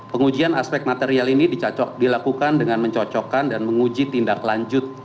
pengujian aspek material ini dilakukan dengan mencocokkan dan menguji tindak lanjut